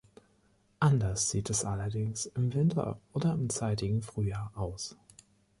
Anders sieht es allerdings im Winter oder im zeitigen Frühjahr aus.